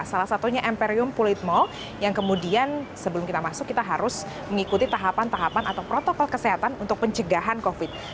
salah satunya emperium kulit mall yang kemudian sebelum kita masuk kita harus mengikuti tahapan tahapan atau protokol kesehatan untuk pencegahan covid